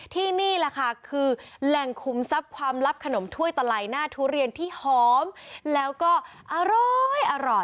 นี่แหละค่ะคือแหล่งคุมทรัพย์ความลับขนมถ้วยตะไหลหน้าทุเรียนที่หอมแล้วก็อร่อย